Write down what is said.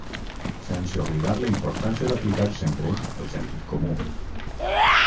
Sense oblidar la importància d’aplicar sempre el sentit comú.